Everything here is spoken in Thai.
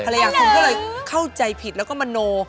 ภรรยาคุณก็เลยเข้าใจผิดแล้วก็มโน